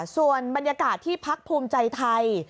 ส่วนบรรยากาศที่พักภูมิใจไทย